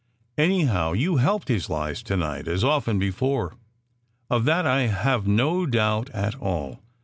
Anyhow, you helped his lies to night, as often before; of that I have no doubt at all.